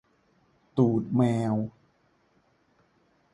ตูดแมว